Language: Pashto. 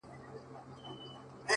o ډبري غورځوې تر شا لاسونه هم نیسې ـ